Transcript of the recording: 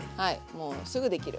もうすぐできる。